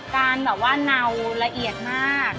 การแบบว่าเนาละเอียดมาก